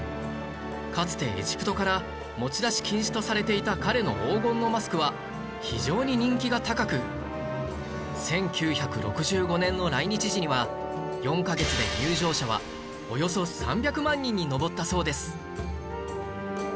かつてエジプトから持ち出し禁止とされていた彼の黄金のマスクは非常に人気が高く１９６５年の来日時には４カ月で入場者はおよそ３００万人に上ったそうです